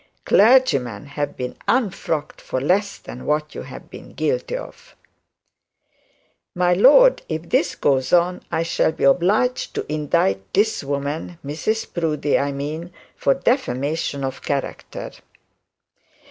Clergymen have been unfrocked for less than what you have been guilty of.' 'My lord, if this goes on I shall be obliged to indict this woman Mrs Proudie I mean for defamation of character.'